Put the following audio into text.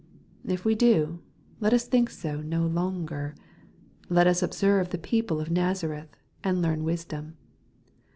If we do, let us think so no longer. Let us observe the people of Nazareth, and learn wisdom.